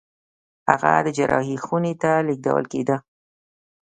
هغه د جراحي خونې ته لېږدول کېده.